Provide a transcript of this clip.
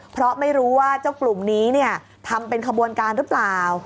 เพราะไม่รู้ว่าเจ้ากลุ่มนี้ทำเป็นขบวนการหรือเปล่า